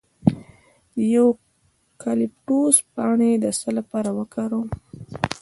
د یوکالیپټوس پاڼې د څه لپاره وکاروم؟